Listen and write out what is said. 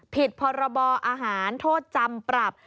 ผิดพรบอาหารโทษจำปรับ